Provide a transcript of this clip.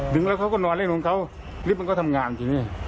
ดึงแล้วเขาก็นอนด้วยน้องเขาลิฟต์มันก็ทำงานอยู่นี่